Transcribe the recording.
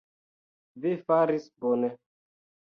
Vi faris bone.